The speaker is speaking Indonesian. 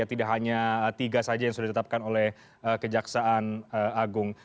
tidak hanya tiga saja yang sudah ditetapkan oleh kejaksaan agung